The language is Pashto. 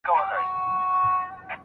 د څېړني په برخه کي استاد د مشر حیثیت لري.